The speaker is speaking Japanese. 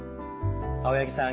青柳さん